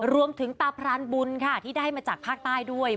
รวมถึงตาพรานบุญค่ะที่ได้มาจากภาคใต้ด้วย